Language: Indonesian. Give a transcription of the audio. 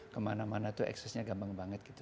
kemana mana itu accessnya gampang banget gitu